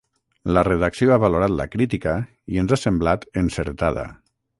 La redacció ha valorat la crítica i ens ha semblat encertada.